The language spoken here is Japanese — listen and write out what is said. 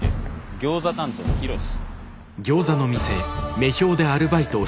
ギョーザ担当のヒロシ。